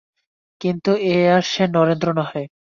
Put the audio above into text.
কিন্তু এ আর সে নরেন্দ্র নহে।